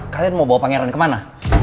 kalian mau bawa pangeran kemana